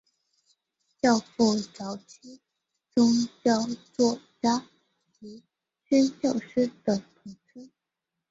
教父早期宗教作家及宣教师的统称。